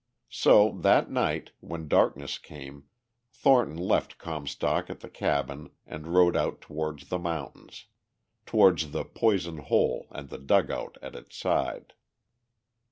So that night, when darkness came, Thornton left Comstock at the cabin and rode out towards the mountains, towards the Poison Hole and the dugout at its side.